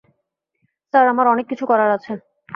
Sir, আমার অনেক কিছু করার আছে।